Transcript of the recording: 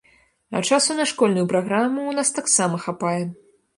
А часу на школьную праграму ў нас таксама хапае.